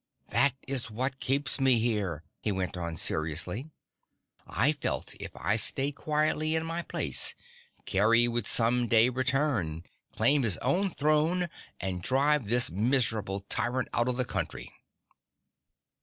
That is what keeps me here," he went on seriously. "I felt if I stayed quietly in my place, Kerry would some day return, claim his own throne and drive this miserable tyrant out of the country."